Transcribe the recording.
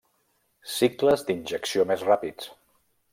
Cicles d'injecció més ràpids.